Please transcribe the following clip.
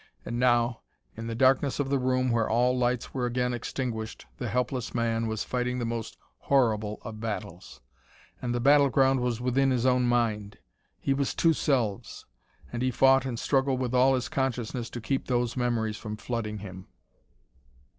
And now, in the darkness of the room where all lights were again extinguished, the helpless man was fighting the most horrible of battles, and the battleground was within his own mind. He was two selves, and he fought and struggled with all his consciousness to keep those memories from flooding him.